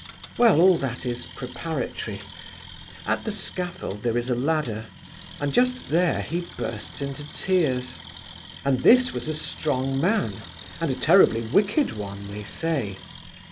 Well, all that is preparatory. "At the scaffold there is a ladder, and just there he burst into tears—and this was a strong man, and a terribly wicked one, they say!